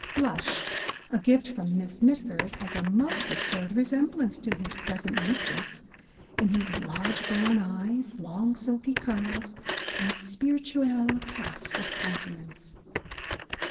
Flush, a gift from Miss Mitford, has a most absurd resemblance to his present mistress, — in his large brown eyes, long silky curls, and spirituelle cast of counten ance.